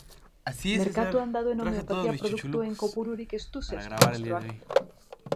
Merkatuan dauden homeopatia produktuen kopururik ez du zehaztu ministroak.